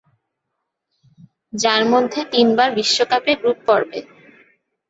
যার মধ্যে তিনবার বিশ্বকাপের গ্রুপ পর্বে।